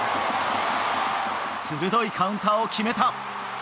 鋭いカウンターを決めた。